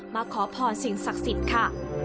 มาขอพรสิ่งศักดิ์สิทธิ์ค่ะ